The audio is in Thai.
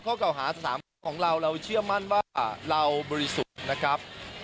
เก่าหาสถานของเราเราเชื่อมั่นว่าเราบริสุทธิ์นะครับ